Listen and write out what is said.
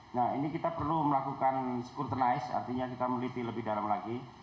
nah ini kita perlu melakukan sporttenis artinya kita meneliti lebih dalam lagi